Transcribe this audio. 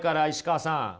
石川さん。